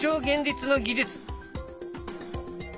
現実の技術。